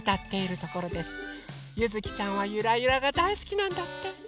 ゆずきちゃんは「ゆらゆら」がだいすきなんだって。